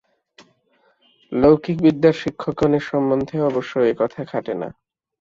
লৌকিক বিদ্যার শিক্ষকগণের সম্বন্ধে অবশ্য এ-কথা খাটে না।